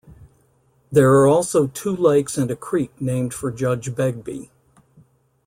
There are also two lakes and a creek named for Judge Begbie.